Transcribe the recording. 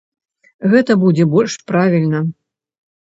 Гэта будзе больш правільна.